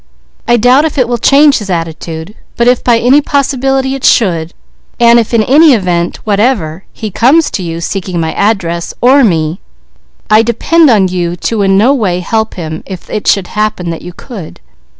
I doubt if it will change his attitude; but if by any possibility it should, and if in any event whatever he comes to you seeking my address, or me, I depend on you to in no way help him, if it should happen that you could.